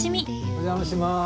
お邪魔します。